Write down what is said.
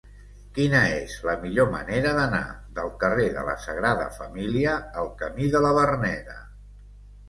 Quina és la millor manera d'anar del carrer de la Sagrada Família al camí de la Verneda?